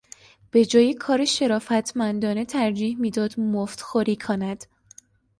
به جای کار شرافتمندانه ترجیح میداد مفتخوری کند.